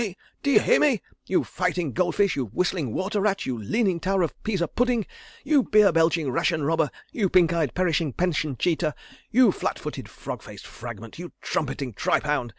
Eh? D'ye hear me, you fighting gold fish; you whistling water rat; you Leaning Tower of Pisa pudding; you beer belching ration robber; you pink eyed, perishing pension cheater; you flat footed, frog faced fragment; you trumpeting tripe hound?